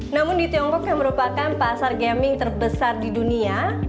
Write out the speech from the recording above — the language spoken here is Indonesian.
namun di tiongkok yang merupakan pasar gaming terbesar di dunia